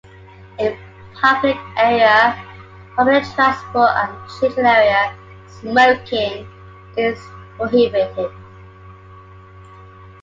In public area, public transport and children area, smoking is prohibited.